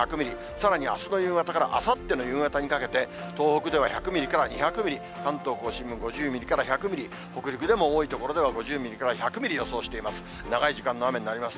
さらにあすの夕方からあさっての夕方にかけて、東北では１００ミリから２００ミリ、関東甲信も５０ミリから１００ミリ、北陸でも多い所では５０ミリから１００ミリ予想しています。